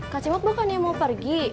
kak cimok bukannya mau pergi